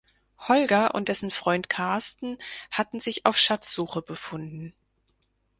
Holger und dessen Freund Carsten hatten sich auf Schatzsuche befunden.